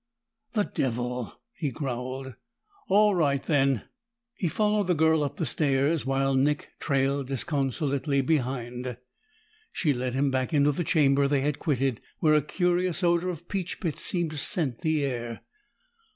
"The devil!" he growled. "All right, then." He followed the girl up the stairs, while Nick trailed disconsolately behind. She led him back into the chamber they had quitted, where a curious odor of peach pits seemed to scent the air.